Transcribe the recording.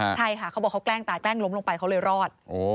ใช่ค่ะเขาบอกเขาแกล้งตายแกล้งล้มลงไปเขาเลยรอด